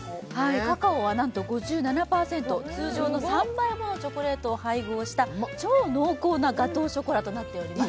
カカオはなんと５７％、通常の３倍ものチョコレートを配合した超濃厚なガトーショコラとなっております。